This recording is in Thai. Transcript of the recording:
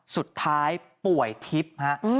สุดท้ายป่วยทิพย์ฮะ